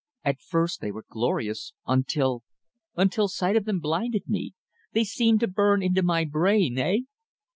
At first they were glorious until until sight of them blinded me they seemed to burn into my brain eh!"